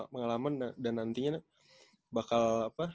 pengalaman dan nantinya bakal